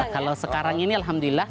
kalau sekarang ini alhamdulillah